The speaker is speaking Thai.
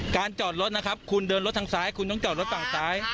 จอดรถนะครับคุณเดินรถทางซ้ายคุณต้องจอดรถฝั่งซ้าย